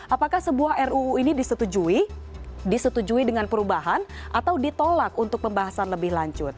apakah sebuah ruu ini disetujui disetujui dengan perubahan atau ditolak untuk pembahasan lebih lanjut